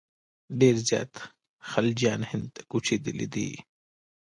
ډېر زیات خلجیان هند ته کوچېدلي دي.